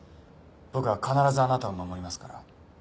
僕が必ずあなたを守りますから。